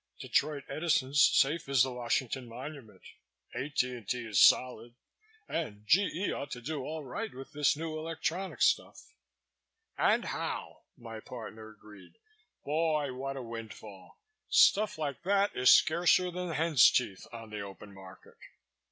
"Detroit Edison's safe as the Washington Monument, A.T.&T. is solid, and G.E. ought to do all right with this new electronic stuff." "And how!" My partner agreed. "Boy! what a windfall! Stuff like that is scarcer than hen's teeth on the open market.